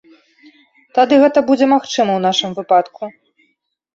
Тады гэта будзе магчыма ў нашым выпадку.